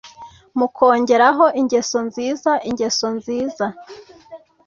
mukongeraho ingeso nziza ingeso nziza